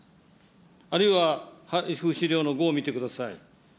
あるいは配布資料の５を見てください。